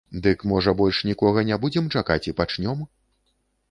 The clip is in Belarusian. Дык, можа, больш нікога не будзем чакаць і пачнём?